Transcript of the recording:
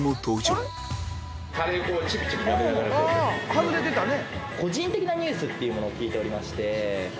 外れてたね。